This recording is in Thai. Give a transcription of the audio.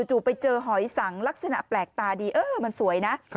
จู่ไปเจอหอยสังลักษณะแปลกตาดีเออมันสวยนะ